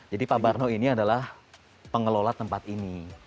jadi pak barno ini adalah pengelola tempat ini